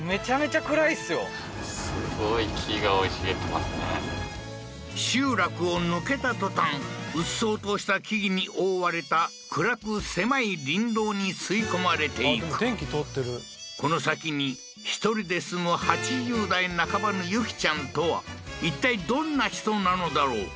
ほら集落を抜けた途端うっそうとした木々に覆われた暗く狭い林道に吸い込まれていくこの先に１人で住む８０代半ばのユキちゃんとはいったいどんな人なのだろう？